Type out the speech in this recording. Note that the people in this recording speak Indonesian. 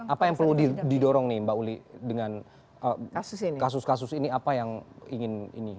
apa yang perlu didorong nih mbak uli dengan kasus kasus ini apa yang ingin ini